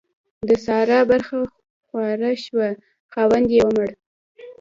د سارا برخه خواره شوه؛ خاوند يې ومړ.